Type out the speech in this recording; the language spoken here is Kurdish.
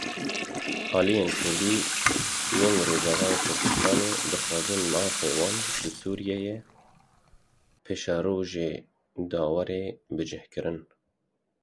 Aliyên kurdî yên Rojavayê Kurdistanê dixwazin mafê wan di Sûriyeya paşerojê de were bicihkirin.